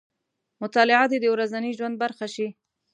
مطالعه دې د ورځني ژوند برخه شي.